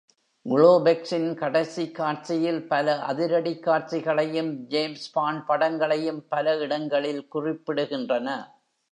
Globex-ன் கடைசி காட்சியில் பல அதிரடிக் காட்சிகளையும் “ஜேம்ஸ் பாண்ட்” படங்களையும் பல இடங்களில் குறிப்பிடுகின்றன.